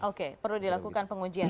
oke perlu dilakukan pengujian